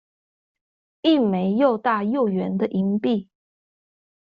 一枚又大又圓的銀幣